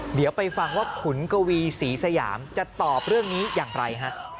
เดี๋ยวไปฟังว่าขุนกวีศรีสยามจะตอบเรื่องนี้อย่างไรฮะ